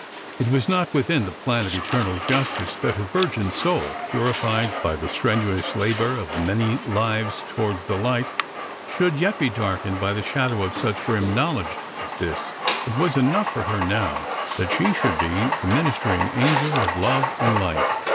It was not within the plan of Eternal Justice that her virgin soul, purified by the strenuous labour of many lives towards the Light, should yet be darkened by the shadow of such grim knowledge as this. It was enough for her now that she should be the ministering angel of Love and Light.